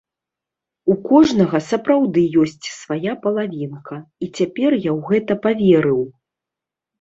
У кожнага сапраўды ёсць свая палавінка, і цяпер я ў гэта паверыў.